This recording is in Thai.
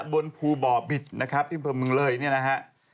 บนภูบ่อบิตนะครับที่อำเภอเมืองเลยเนี่ยนะฮะ